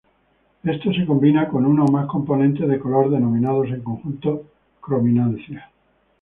Esto se combina con uno o más componentes de color denominados en conjunto crominancia.